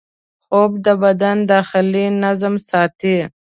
خوب د بدن داخلي نظم ساتي